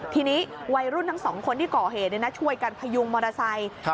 ทีนี้วัยรุ่นทั้งสองคนที่ก่อเหตุช่วยกันพยุงมอเตอร์ไซค์